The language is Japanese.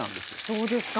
そうですか。